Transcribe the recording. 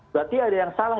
berarti ada yang salah